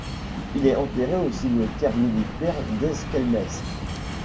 Il est enterré au cimetière militaire d’Esquelmes.